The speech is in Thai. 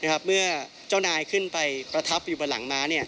เมื่อเจ้านายขึ้นไปประทับอยู่บนหลังม้า